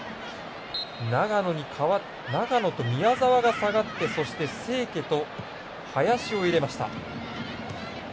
長野と宮澤が下がってそして清家と林を入れました。